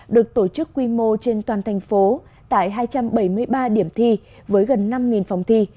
được tổ chức quy mô trên toàn thành phố tại hai trăm bảy mươi ba điểm thi với gần năm phòng thi